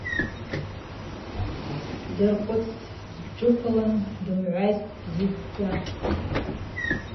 Дыркъвыцӏтӏ дджвыквылын дымгӏвайситӏ бзидздза.